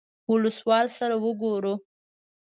اولسوال سره وګورو.